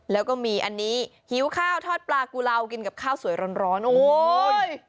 แล้วก็มีอันนี้หิวข้าวทอดปลากุลาวกินกับข้าวสวยร้อนโอ้ย